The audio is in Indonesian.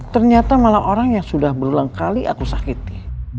ternyata malah orang yang sudah berulang kali aku sakiti